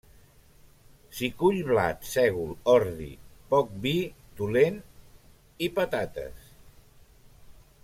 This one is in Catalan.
S'hi cull blat, sègol, ordi, poc vi, dolent, i patates.